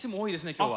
今日は。